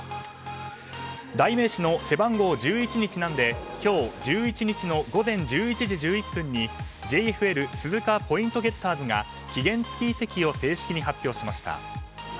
代名詞の背番号１１にちなんで今日１１日の午前１１時１１分にＪＦＬ鈴鹿ポイントゲッターズが期限付き移籍を正式に発表しました。